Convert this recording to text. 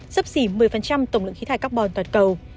sấp xỉ một mươi tổng lượng khí thải carbon toàn cầu